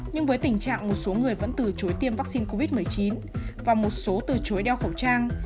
nhưng với tình trạng một số người vẫn từ chối tiêm vaccine covid một mươi chín và một số từ chối đeo khẩu trang